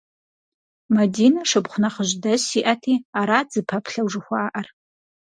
Мадинэ шыпхъу нэхъыжь дэс иӏэти арат зыпэплъэу жыхуаӏэр.